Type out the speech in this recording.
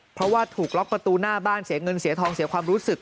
เพราะว่าถูกล็อกประตูหน้าบ้านเสียเงินเสียทองเสียความรู้สึก